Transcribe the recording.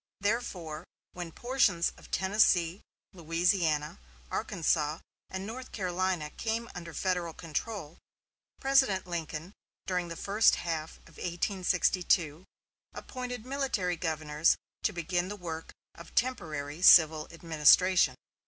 Therefore, when portions of Tennessee, Louisiana, Arkansas, and North Carolina came under Federal control, President Lincoln, during the first half of 1862, appointed military governors to begin the work of temporary civil administration.